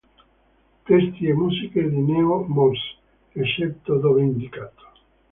Testi e musiche di Neal Morse, eccetto dove indicato.